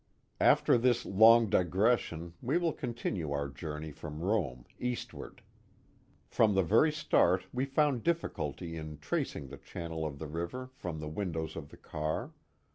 After this long digression, we will continue our journey from Rome, eastward From the very stait wc found difficulty in tracing the channel of the river from the windows of the car.